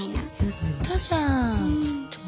言ったじゃんっつって。